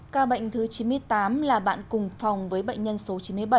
ca bệnh thứ chín mươi tám là bạn cùng phòng với bệnh nhân số chín mươi bảy